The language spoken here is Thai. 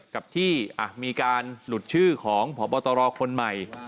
กับที่มีการหลุดชื่อของพบตรคนใหม่